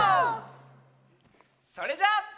それじゃあ。